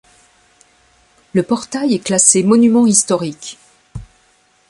Le portail est classé monument historique.